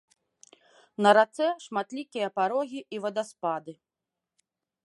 На рацэ шматлікія парогі і вадаспады.